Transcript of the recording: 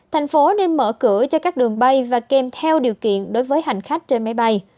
thành phố nên mở cửa cho các đường bay và kèm theo điều kiện đối với hành khách trên máy bay